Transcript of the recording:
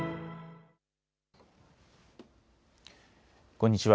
こんにちは。